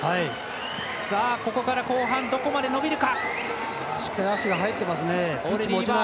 ここから後半どこまで伸びるか。